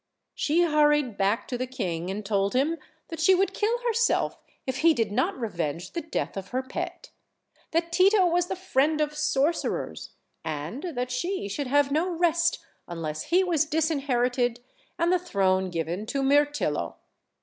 She hurried back to the king and told him that she would kill herself if he did not revenge the death of her pet; that Tito was the friend of sorcerers, and that she should have no rest un less he was disinherited and the throne given to Mirtillo.